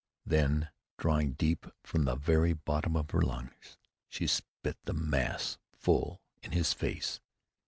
Then, drawing deep from the very bottom of her lungs, she spat the mass full in his face.